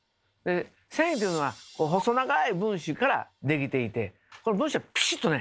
繊維というのは細長い分子からできていてこの分子がピシッとね